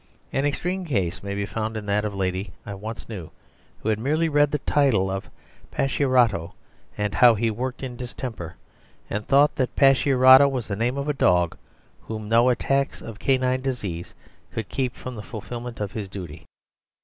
An extreme case may be found in that of a lady I once knew who had merely read the title of "Pacchiarotto and how he worked in distemper," and thought that Pacchiarotto was the name of a dog, whom no attacks of canine disease could keep from the fulfilment of his duty.